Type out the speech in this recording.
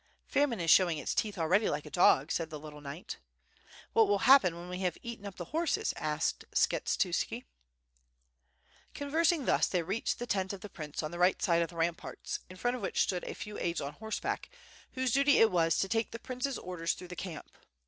"Famine is showing its teeth already like a dog," said the little knight. "What will happen when we have eaten up the horses? asked Skshetuski. Conversing thus they reached the tent of the prince on the right side of the ramparts, in front of which stood a few aides on horseback, whose duty it was to take the prince's orders through the camp.